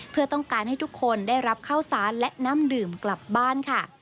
เพื่อต้องการให้ทุกคนได้รับข้าวสารและน้ำดื่มกลับบ้านค่ะ